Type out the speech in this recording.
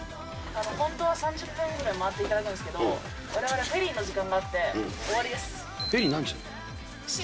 本当は３０分ぐらい回っていただくんですけど、われわれフェリーの時間があって、フェリー、何時？